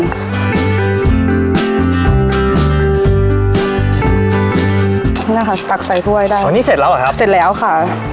นี่ค่ะตักใส่ถ้วยได้อ๋อนี่เสร็จแล้วเหรอครับเสร็จแล้วค่ะ